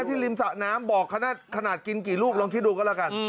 ริมสะน้ำบอกขนาดกินกี่ลูกลองคิดดูก็แล้วกัน